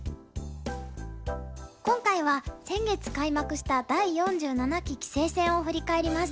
今回は先月開幕した第４７期棋聖戦を振り返ります。